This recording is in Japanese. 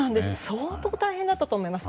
相当大変だったと思います。